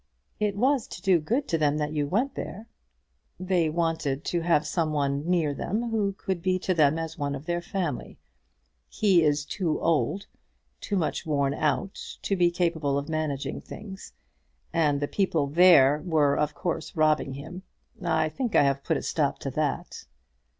"It was to do good to them that you went there." "They wanted to have some one near them who could be to them as one of their own family. He is too old, too much worn out to be capable of managing things; and the people there were, of course, robbing him. I think I have put a stop to that."